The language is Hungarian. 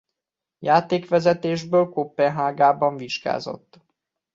Játékvezetésből Koppenhágában vizsgázott.